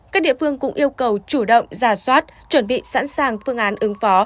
các địa phương cũng yêu cầu chủ động giả soát chuẩn bị sẵn sàng phương án ứng phó